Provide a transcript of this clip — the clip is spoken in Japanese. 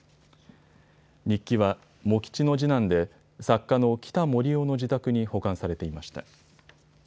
日記は、茂吉の次男で作家の北杜夫の自宅に保管されていました。